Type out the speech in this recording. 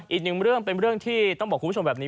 อีกหนึ่งเรื่องเป็นเรื่องที่ต้องบอกคุณผู้ชมแบบนี้